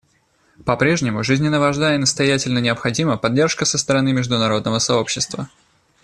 По-прежнему жизненно важна и настоятельно необходима поддержка со стороны международного сообщества.